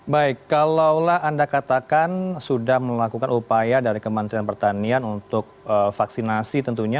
baik kalau anda katakan sudah melakukan upaya dari kementerian pertanian untuk vaksinasi tentunya